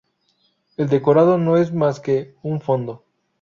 El decorado no es más que un fondo.